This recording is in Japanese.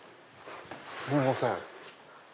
すいません。